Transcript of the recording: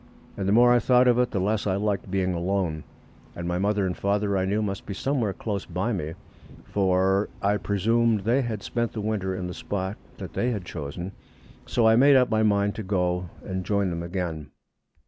And the more I thought of it, the less I liked being alone. And my father and mother, I knew, must be somewhere close by me for I presumed they had spent the winter in the spot that they had chosen so I made up my mind to go and join them again.